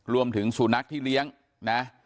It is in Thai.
รวมถึงสู่นักที่เลี้ยงนะฮะ